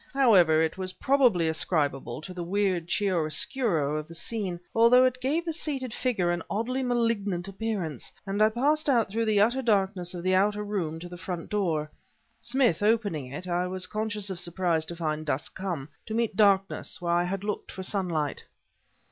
However, it was probably ascribable to the weird chiaroscuro of the scene, although it gave the seated figure an oddly malignant appearance, and I passed out through the utter darkness of the outer room to the front door. Smith opening it, I was conscious of surprise to find dusk come to meet darkness where I had looked for sunlight.